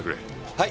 はい。